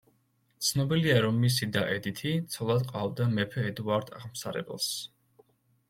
ცნობილია, რომ მისი და ედითი, ცოლად ჰყავდა მეფე ედუარდ აღმსარებელს.